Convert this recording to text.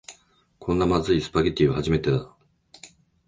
こんなまずいスパゲティは初めてだ